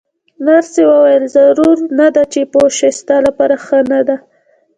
نرسې وویل: ضرور نه ده چې پوه شې، ستا لپاره ښه نه ده.